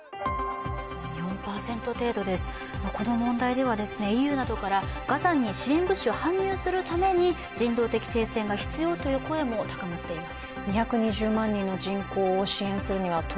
４％程度です、この問題ではＥＵなどからガザに支援物資を搬入するために人道的停戦が必要という声も高まっています。